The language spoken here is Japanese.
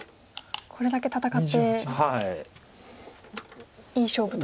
これだけ戦っていい勝負と。